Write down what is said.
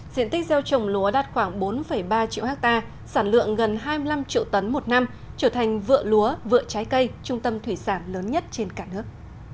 diện tích gieo trồng lúa đạt khoảng bốn ba triệu hectare sản lượng gần hai mươi năm triệu tấn một năm trở thành vựa lúa vựa trái cây trung tâm thủy sản lớn nhất trên cả nước